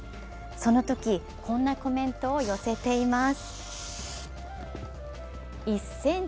そのとき、こんなコメントを寄せています。